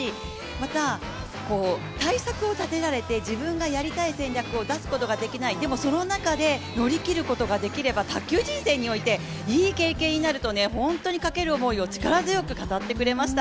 また、対策を立てられて自分がやりたい戦略を出すことができない、でもその中で乗り切ることができれば卓球人生において、いい経験になると本当にかける思いを力強く語ってくれました。